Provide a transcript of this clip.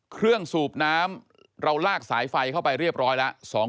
สูบน้ำเราลากสายไฟเข้าไปเรียบร้อยแล้ว